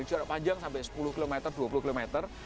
jarak panjang sampai sepuluh km dua puluh kilometer